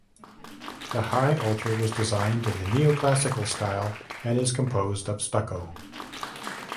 The high altar was designed in the Neoclassical style and is composed of stucco.